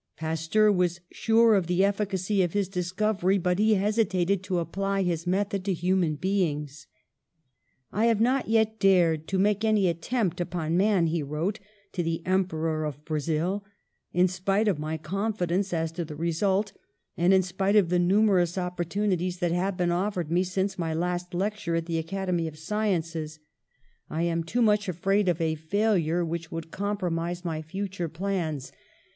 Pasteur was sure of the efficacy of his dis covery, but he hesitated to apply his method to human beings. ^'1 have not yet dared to make any attempt upon man," he wrote to the Emperor of Bra zil, "in spite of my confidence as to the result, and in spite of the numerous opportunities that have been offered me since my last lecture at the Academy of Sciences. I am too much 168 PASTEUR afraid of a failure, which may compromise my future plans.